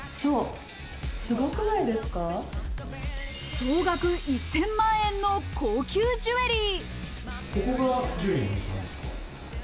総額１０００万円の高級ジュエリー。